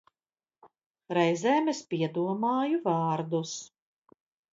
Reizēm es piedomāju vārdus.